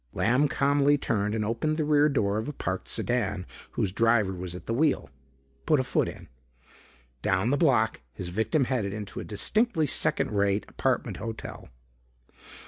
Lamb calmly turned and opened the rear door of a parked sedan whose driver was at the wheel. Put a foot in. Down the block, his victim headed into a distinctly second rate apartment hotel.